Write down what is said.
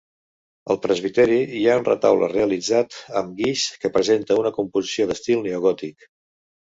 Al presbiteri hi ha un retaule realitzat amb guix que presenta una composició d'estil neogòtic.